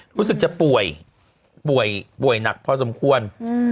รู้สึกจะป่วยป่วยหนักพอสมควร